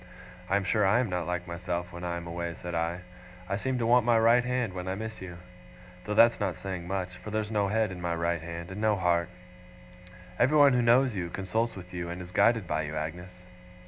'I am sure I am not like myself when I am away,' said I. 'I seem to want my right hand, when I miss you. Though that's not saying much; for there's no head in my right hand, and no heart. Everyone who knows you, consults with you, and is guided by you, Agnes.